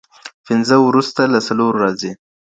پنځه وروسته له څلورو راځي.